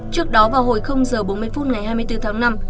trước đó vào hồi h bốn mươi phút ngày hai mươi bốn tháng năm